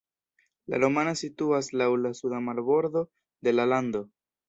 La Romana situas laŭ la suda marbordo de la lando.